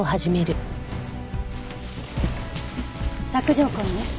索条痕ね。